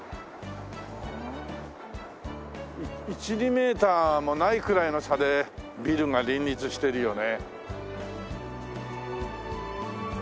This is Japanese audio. １２メーターもないくらいの差でビルが林立してるよね。